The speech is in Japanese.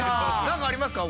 何かありますか？